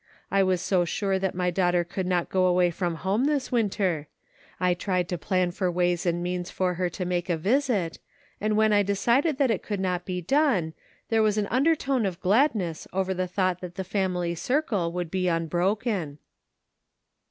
I was so sure that my daughter could not go away from home this winter; I tried to plan for ways and means for her to make a visit, and w^hen I decided that it could not be done, there was an undertone of gladness over the thought that the family circle would be unbroken."